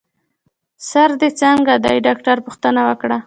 سر دي څنګه دی؟ ډاکټر پوښتنه وکړه.